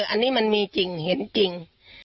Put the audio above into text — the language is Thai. อันนี้มันมีจริงเห็นจริง